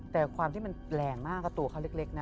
แต่ความที่มันแรงมากก็ตัวเขาเล็กนะ